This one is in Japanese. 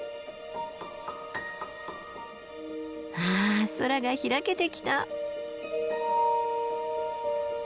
わあ空が開けてきた。